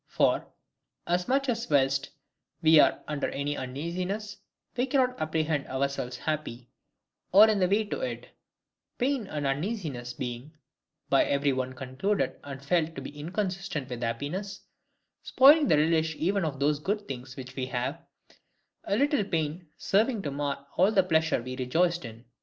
For, as much as whilst we are under any uneasiness, we cannot apprehend ourselves happy, or in the way to it; pain and uneasiness being, by every one, concluded and felt to be inconsistent with happiness, spoiling the relish even of those good things which we have: a little pain serving to mar all the pleasure we rejoiced in.